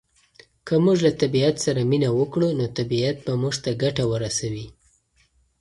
که موږ له طبعیت سره مینه وکړو نو طبعیت به موږ ته ګټه ورسوي.